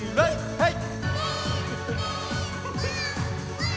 はい！